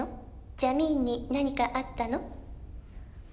「ジャミーンに何かあったの？」